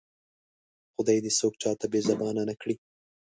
خدای دې څوک چاته بې زبانه نه کړي